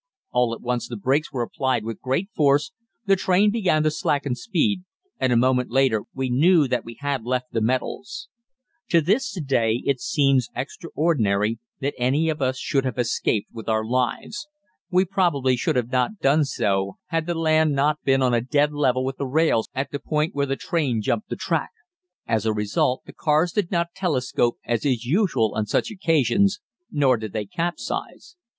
All at once the brakes were applied with great force, the train began to slacken speed, and a moment later we knew that we had left the metals. To this day it seems to me extraordinary that any of us should have escaped with our lives. We probably should not have done so had the land not been on a dead level with the rails at the point where the train jumped the track. As a result, the cars did not telescope, as is usual on such occasions, nor did they capsize.